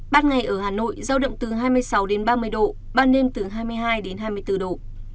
bát ngày ở hà nội giao động từ hai mươi sáu ba mươi độ ban nêm từ hai mươi hai hai mươi bốn độ